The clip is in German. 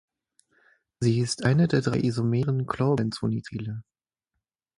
Sie ist eine der drei isomeren Chlorbenzonitrile.